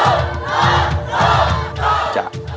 สู้